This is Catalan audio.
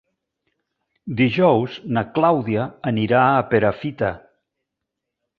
Dijous na Clàudia anirà a Perafita.